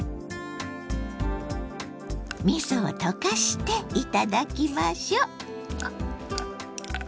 みそを溶かして頂きましょう！